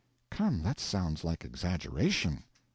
"Come, that sounds like exaggeration."